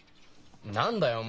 何だよ